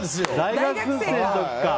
大学生の時か。